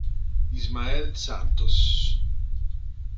Ismael Santos